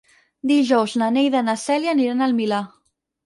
Dijous na Neida i na Cèlia aniran al Milà.